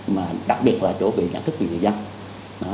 mà đặc biệt là chỗ về nhận thức của người dân